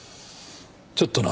ちょっとな。